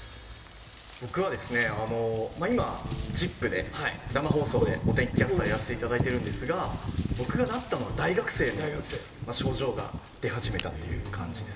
僕はですね、今、ＺＩＰ！で生放送でお天気キャスターやらせていただいてるんですが、僕がなったのは、大学生で症状が出始めたっていう感じです。